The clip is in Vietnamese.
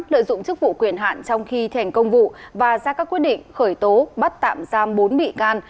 lợi dụng chức vụ quyền hạn trong khi thành công vụ và ra các quyết định khởi tố bắt tạm giam bốn bị can